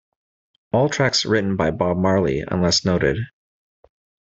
All tracks written by Bob Marley, unless noted.